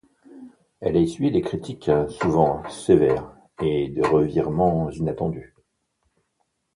Elle a essuyé des critiques souvent sévères, et des revirements inattendus.